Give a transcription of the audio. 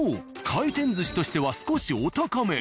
回転寿司としては少しお高め。